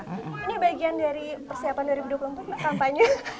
ini bagian dari persiapan dari budak lembut maka apa ini